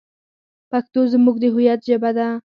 پښتو زموږ د هویت ژبه ده.